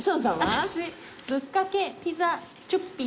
私ぶっかけピザチュッピン。